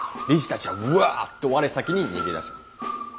理事たちはうわっと我先に逃げ出します。